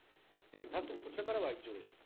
丹東、こちらからは以上です。